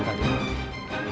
kamu cinta sama dia